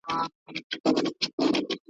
هم د ده هم یې د پلار د سر دښمن وي ,